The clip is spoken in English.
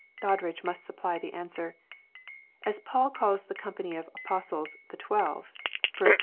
Doddridge must supply the answer ;—" As Paul calls the company of apostles 1h» twelve^ (1 Cor.